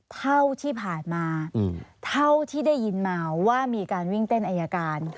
เท่าที่ผ่านมาเท่าที่ได้ยินมาว่ามีการวิ่งเต้นอายการ